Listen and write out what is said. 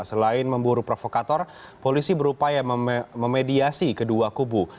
selain memburu provokator polisi berupaya memediasi kedua kubu